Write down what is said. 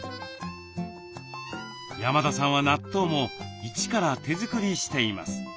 山田さんは納豆も一から手作りしています。